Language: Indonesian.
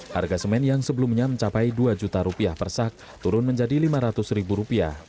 harga semen yang sebelumnya mencapai rp dua per sak turun menjadi rp lima ratus